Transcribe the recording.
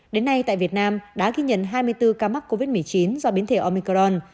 đến nay tại việt nam đã ghi nhận hai mươi bốn ca mắc covid một mươi chín do biến thể omicron